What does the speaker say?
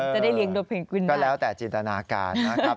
จะได้เลี้ยงโดยเพลงกวินก็แล้วแต่จินตนาการนะครับ